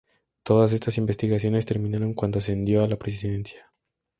Todas estas investigaciones terminaron cuando ascendió a la Presidencia.